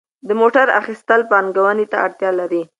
د موټر اخیستل پانګونې ته اړتیا لري.